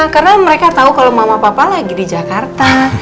karena mereka tahu kalau mama papa lagi di jakarta